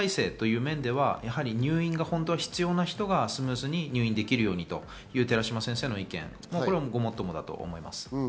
やはり医療体制という面では、本当は入院が必要な人がスムーズに入院できるようにという寺嶋先生の意見、これはごもっともだと思います。